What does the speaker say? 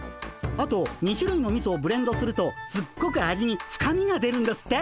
あと２しゅるいのみそをブレンドするとすっごく味に深みが出るんですって。